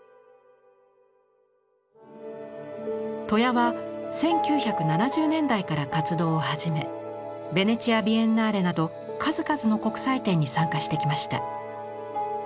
戸谷は１９７０年代から活動を始めヴェネチア・ビエンナーレなど数々の国際展に参加してきました。